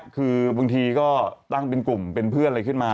คือบางทีก็ตั้งเป็นกลุ่มเป็นเพื่อนอะไรขึ้นมา